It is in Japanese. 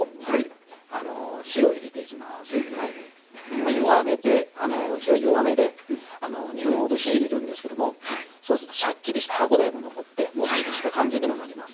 まあ弱めて火は弱めで２分ほど火入れるんですけどもそうするとシャッキリした歯応えも残ってもっちりした感じにもなります。